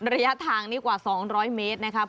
ระยะทางนี้กว่า๒๐๐เมตรนะครับ